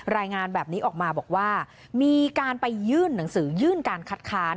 รายงานแบบนี้ออกมาบอกว่ามีการไปยื่นหนังสือยื่นการคัดค้าน